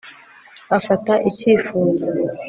afata icyifuzo